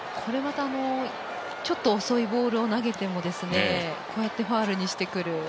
ちょっと遅いボールを投げてもこうやってファウルにしてくる。